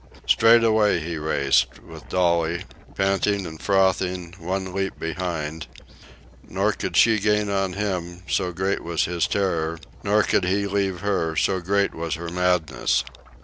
Straight away he raced, with Dolly, panting and frothing, one leap behind; nor could she gain on him, so great was his terror, nor could he leave her, so great was her madness.